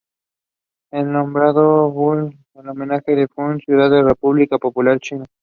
Fue nombrado Fujian en homenaje a Fujian ciudad de la República Popular China.